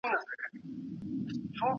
پانګونې په بازار کې ښې اغېزې لرلې.